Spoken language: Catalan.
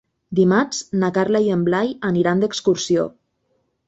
Dimarts na Carla i en Blai aniran d'excursió.